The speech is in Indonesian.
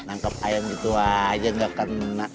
nangkep ayam gitu aja nggak kena